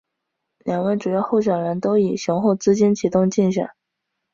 两位主要候选人都以雄厚资金启动竞选。